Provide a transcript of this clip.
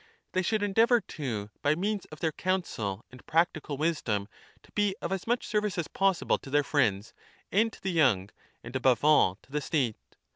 They should endeavour, too, by means of their counsel and prac tical wisdom to be of as much service as possible to their friends and to the young, and above all to the state.